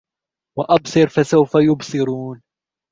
وَأَبْصِرْ فَسَوْفَ يُبْصِرُونَ